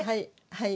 はい。